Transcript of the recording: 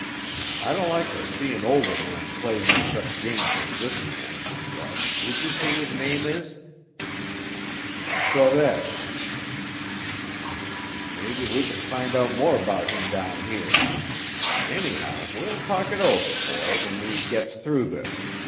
I don't like ter see an older man play no sech games as this man who d' ye say his name is?" "Sorez." "Maybe we can find out more 'bout him down here. Anyhow, we'll talk it over, boy, when we gits through this.